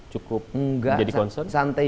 cukup menjadi concern enggak santai